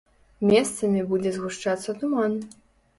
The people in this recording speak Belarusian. Месцамі будзе згушчацца туман.